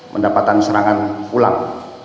mendapatkan serangan ulang